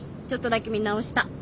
ちょっとだけ見直した。